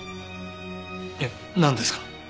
えっなんですか？